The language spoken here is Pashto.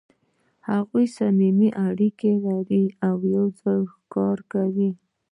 هغوی صمیمي اړیکې لري او یو ځای ښکار کوي.